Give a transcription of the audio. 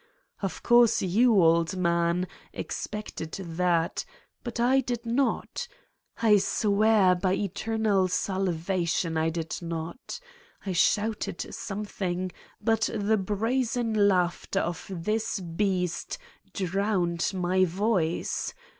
Of course you, old man, expected that, but I did not. I swear by eternal salvation, I did not ! I shouted some thing but the brazen laughter of this beast drowned my voice.